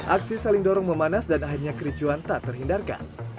aksi saling dorong memanas dan akhirnya kericuan tak terhindarkan